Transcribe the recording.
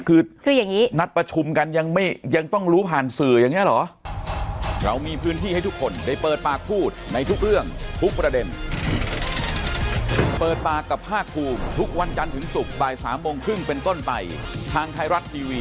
คืออย่างนี้นัดประชุมกันยังไม่ยังต้องรู้ผ่านสื่ออย่างนี้เหรอ